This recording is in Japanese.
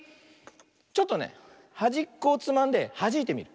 ちょっとねはじっこをつまんではじいてみる。